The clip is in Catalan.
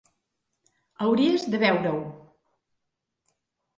Hauries de veure-ho.